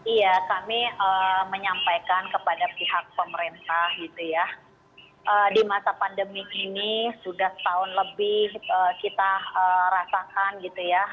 iya kami menyampaikan kepada pihak pemerintah gitu ya